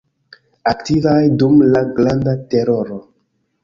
Aktivaj dum la Granda teroro.